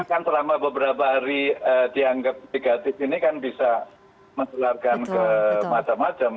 oke berarti artinya beberapa hari dianggap negatif ini kan bisa meselelarkan ke macam macam